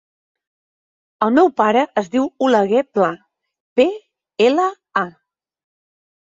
El meu pare es diu Oleguer Pla: pe, ela, a.